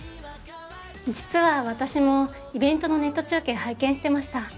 実は私もイベントのネット中継拝見してました。